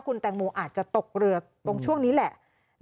คุณแตงโมอาจจะตกเรือตรงช่วงนี้แหละ